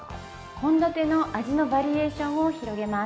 献立の味のバリエーションを広げます。